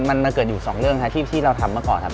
มันเกิดอยู่สองเรื่องที่เราทำเมื่อก่อนครับ